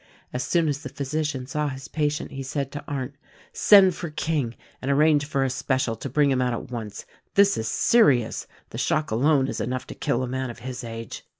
As soon as the physician saw his patient he said to Arndt: "Send for King, and arrange for a special to bring him out at once; this is serious — the shock alone is enough to kill a man of his age."